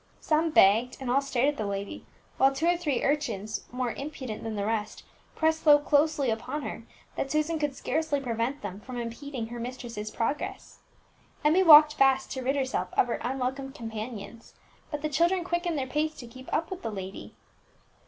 Some begged, and all stared at the lady; while two or three urchins, more impudent than the rest, pressed so closely upon her, that Susan could scarcely prevent them from impeding her mistress's progress. Emmie walked fast to rid herself of her unwelcome companions, but the children quickened their pace to keep up with the lady.